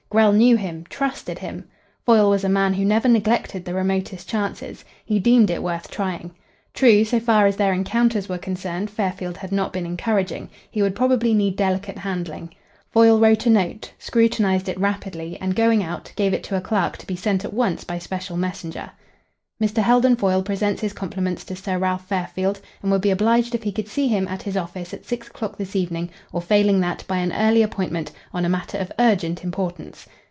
Grell knew him; trusted him. Foyle was a man who never neglected the remotest chances. He deemed it worth trying. True, so far as their encounters were concerned, Fairfield had not been encouraging. He would probably need delicate handling. Foyle wrote a note, scrutinised it rapidly, and, going out, gave it to a clerk to be sent at once by special messenger. "Mr. Heldon Foyle presents his compliments to Sir Ralph Fairfield and would be obliged if he could see him at his office at six o'clock this evening, or failing that, by an early appointment, on a matter of urgent importance."